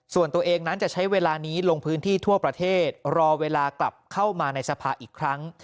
ส่วนตัวเองนั้นจะใช้เวลานี้ลงพื้นที่ทั่วประเทศรอเวลากลับเข้ามาในสภาอีกครั้ง